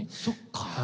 そっか。